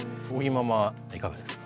ママいかがですか？